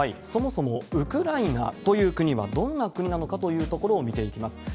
そもそも、ウクライナという国は、どんな国なのかというところを見ていきます。